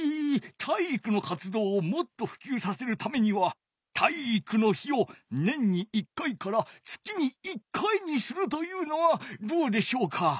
体育のかつどうをもっとふきゅうさせるためには体育の日を年に１回から月に１回にするというのはどうでしょうか？